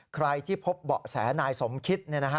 ใครที่พบเบาะแสนายสมคิต